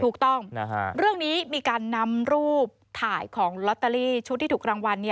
ถูกต้องเรื่องนี้มีการนำรูปถ่ายของลอตเตอรี่ชุดที่ถูกรางวัล